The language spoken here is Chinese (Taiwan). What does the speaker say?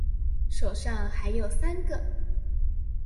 手上還有三個